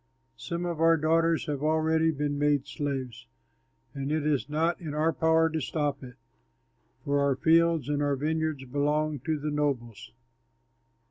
Some of our daughters have already been made slaves, and it is not in our power to stop it, for our fields and our vineyards belong to the nobles."